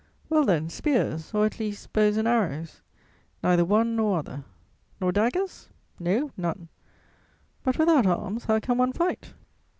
"Well, then, spears, or at least, bows and arrows?" "Neither one nor other." "Nor daggers?" "No, none." "But, without arms, how can one fight?"